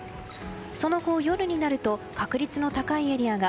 その後、夜になると確率の高いエリアが